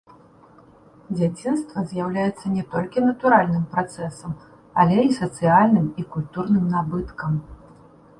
Дзяцінства з'яўляецца не толькі натуральным працэсам, але і сацыяльным і культурным набыткам.